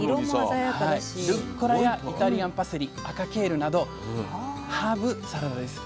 ルッコラやイタリアンパセリ赤ケールなどハーブサラダです。